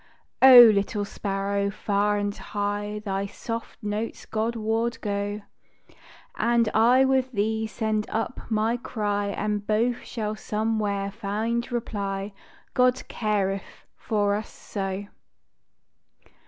O little sparrow, far and high Thy soft notes God ward go, And I with thee send up my cry, And both shall somewhere find reply, _God careth for us so.